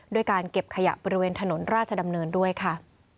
ด้วยการเก็บขยะบริเวณถนนราชดำเนินด้วยค่ะ